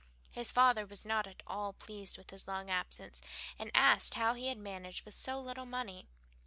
His father was not at all pleased with his long absence, and asked how he had managed with so little money.